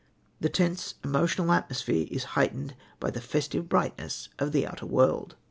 The tense, emotional atmosphere is heightened by the festive brightness of the outer world.